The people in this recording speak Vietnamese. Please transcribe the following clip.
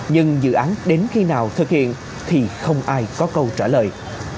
nhưng dự án đến khi nào thực hiện thì không ai có câu trả lời